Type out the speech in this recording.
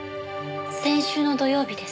先週の土曜日です。